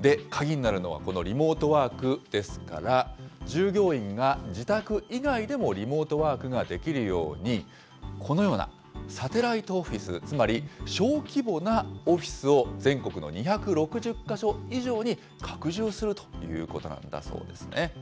で、鍵になるのは、このリモートワークですから、従業員が自宅以外でもリモートワークができるように、このようなサテライトオフィス、つまり、小規模なオフィスを全国の２６０か所以上に拡充するということなんだそうですね。